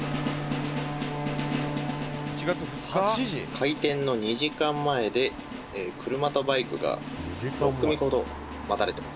「開店の２時間前で車とバイクが６組ほど待たれています」